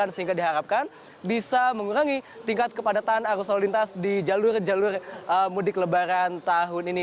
sehingga diharapkan bisa mengurangi tingkat kepadatan arus lalu lintas di jalur jalur mudik lebaran tahun ini